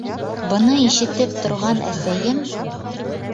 Быны ишетеп торған әсәйем: